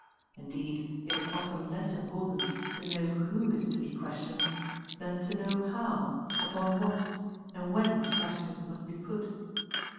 Indeed it is often less important to know who is to be 1 estioned than to know how, wpon what, and when questions must be put.